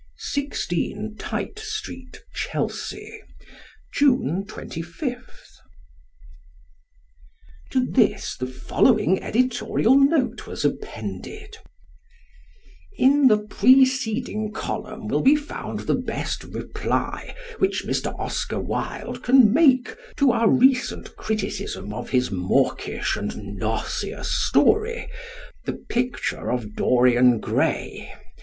16, Tite Street, Chelsea, June 25th. To this the following Editorial note was appended: In the preceding column will be found the best reply which Mr. Oscar Wilde can make to our recent criticism of his mawkish and nauseous story, "The Picture of Dorian Gray".